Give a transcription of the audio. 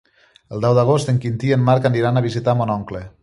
El deu d'agost en Quintí i en Marc aniran a visitar mon oncle.